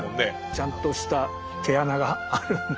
ちゃんとした「毛穴」がある本なんで。